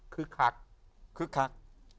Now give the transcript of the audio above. คึกคัก